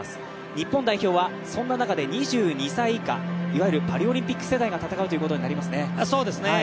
日本代表はそんな中で２２歳以下いわゆるパリオリンピック世代が戦うということになりますね。